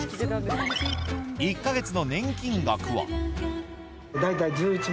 １か月の年金額は。